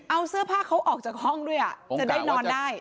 เอาเสื้อผ้าเขาออกจากห้องด้วยจะได้นอนได้